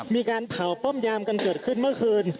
มีการเผาป้อมยามกันเกิดขึ้นเมื่อคืน